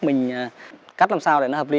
mình cắt làm sao để nó hợp lý